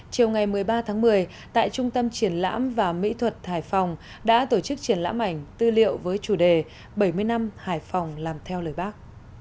chiều ngày một mươi ba tháng một mươi tại trung tâm triển lãm và mỹ thuật hải phòng đã tổ chức triển lãm ảnh tư liệu với chủ đề bảy mươi năm hải phòng làm theo lời bác